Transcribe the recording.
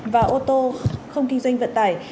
và ô tô không kinh doanh vận tải